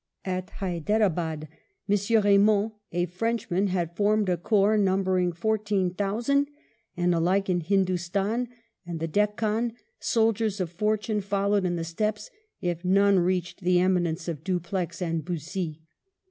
At Hydera bad ]VL Eaymond, a Frenchman, had formed a corps numbering fourteen thousand ; and alike in Hindustan and the Deccan, soldiers of fortune followed in the steps, if none reached the eminence, of Dupleix and Bussy.